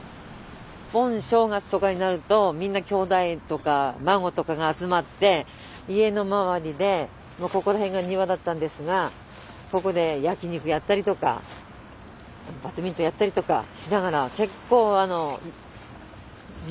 盆正月とかになるとみんなきょうだいとか孫とかが集まって家の周りでここら辺が庭だったんですがここで焼き肉やったりとかバドミントンやったりとかしながら結構有名なにぎやかなうちだった。